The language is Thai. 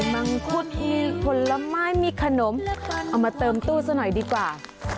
มังคุดมีผลไม้มีขนมเอามาเติมตู้ซะหน่อยดีกว่า